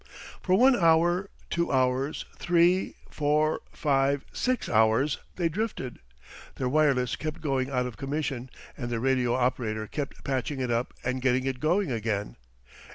For one hour, two hours, three, four, five, six hours they drifted. Their wireless kept going out of commission, and their radio operator kept patching it up and getting it going again.